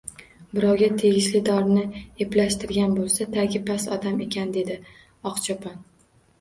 – Birovga tegishli dorini eplashtirgan bo‘lsa, tagi past odam ekan, – dedi Oqchopon